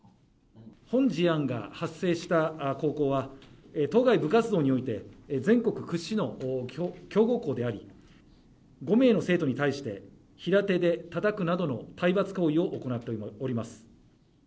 本事案が発生した高校は、当該部活動において全国屈指の強豪校であり、５名の生徒に対して、平手でたたくなどの体罰行為を行っております。